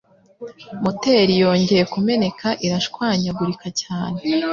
Moteri yongeye kumeneka irashwanya gurika cyane.